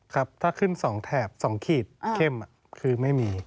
ครับถ้าขึ้น๒แถบ๒ขีดเข้มคือไม่มี